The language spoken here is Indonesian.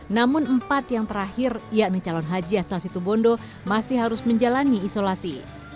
namun empat yang terakhir yakni calon haji asal situbondo masih harus menjalani isolasi